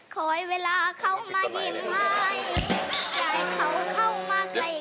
ขอไอเวลาเข้ามายินให้